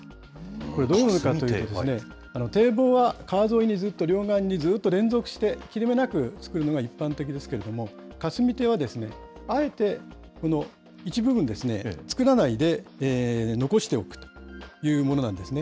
これ、どういうものかというとですね、堤防は川沿いにずっと、両岸にずっと連続して、切れ目なく造るのが一般的ですけれども、霞提は、あえて、この一部分ですね、造らないで残しておくというものなんですね。